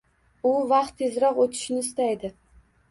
U vaqt tezroq oʻtishini istaydi